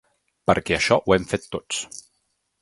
Perquè això ho hem fet tots.